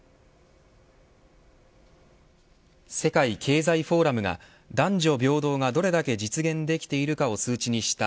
世界経済フォーラムが男女平等がどれだけ実現できているかを数値にした